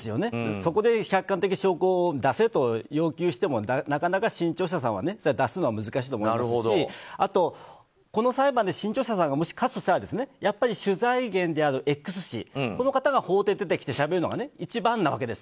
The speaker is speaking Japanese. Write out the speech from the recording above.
そこで客観的証拠を出せと要求してもなかなか新潮社さんは出すのは難しいと思いますしあとはこの裁判で新潮社さんがもし勝つとすれば取材源であるＸ氏、この方が法廷に出てきてしゃべるのが一番なわけです。